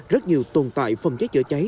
rất nhiều tồn tại phòng chế chữa cháy